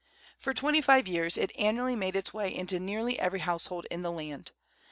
For twenty five years, it annually made its way into nearly every household in the land.